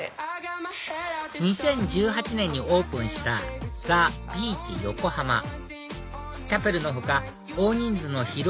２０１８年にオープンしたＴＨＥＢＥＡＣＨＹＯＫＯＨＡＭＡチャペルの他大人数の披露